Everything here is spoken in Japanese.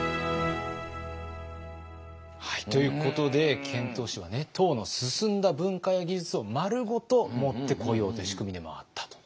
ということで遣唐使は唐の進んだ文化や技術をまるごと持ってこようという仕組みでもあったと。